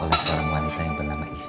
oleh seorang wanita yang bernama isra